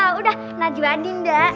sudah najwa dinda